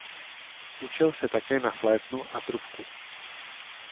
Učil se také na flétnu a trubku.